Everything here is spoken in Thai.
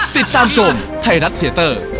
ติดตามชมไทยรัฐเทียเตอร์